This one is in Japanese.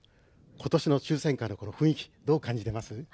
今年の抽せん会の雰囲気どう感じてます？